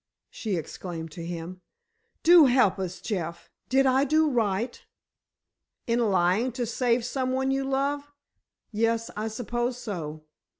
she exclaimed to him. "Do help us, Jeff. Did I do right?" "In lying to save some one you love? Yes, I suppose so."